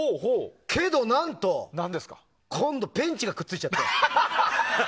けど何と、今度ペンチがくっついちゃって。